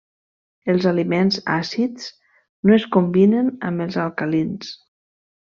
Els aliments àcids no es combinen amb els alcalins.